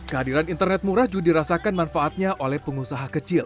kehadiran internet murah juga dirasakan manfaatnya oleh pengusaha kecil